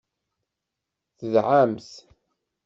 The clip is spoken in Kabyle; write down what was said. Tedɛamt.